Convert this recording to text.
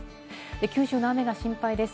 九州の雨が心配です。